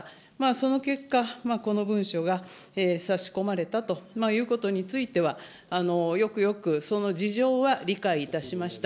その結果、この文書が差し込まれたということについては、よくよくその事情は理解いたしました。